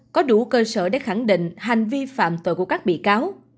có đủ cơ sở để khẳng định hành vi phạm tội của các bị cáo